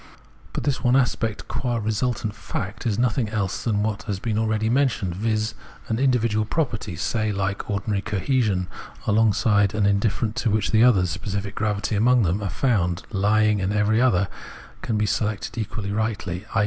But this one aspect, qua resultant fact, is nothing else than what has been already mentioned, viz. an individual property, say, like ordinary cohesion, alongside and indifferent to which the others, specific gravity among them, are found lying, and every other can be selected equally rightly, i.